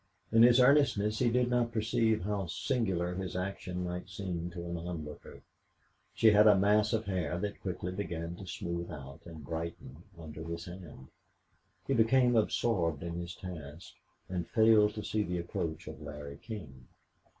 In his earnestness he did not perceive how singular his action might seem to an onlooker. She had a mass of hair that quickly began to smooth out and brighten under his hand. He became absorbed in his task and failed to see the approach of Larry King.